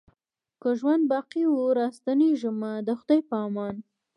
که ژوند باقي وو را ستنېږمه د خدای په امان